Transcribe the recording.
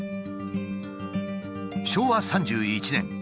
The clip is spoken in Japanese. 昭和３１年。